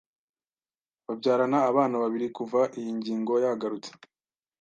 babyarana abana babiri Kuva iyi ngingo yagarutse